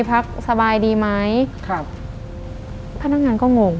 พักสบายดีไหมพนักงานก็งง